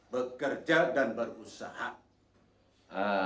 bekerja dan berusaha